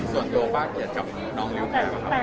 ส่วนเฉพาะอย่าจับน้องอยู่ข้างล่างครับครับ